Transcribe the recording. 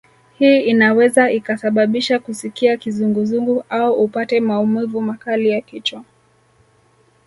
Hii inaweza ikasababisha kusikia kizunguzungu au upate maumivu makali ya kichwa